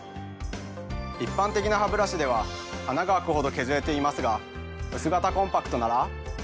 一般的なハブラシでは穴が開くほど削れていますが薄型コンパクトなら。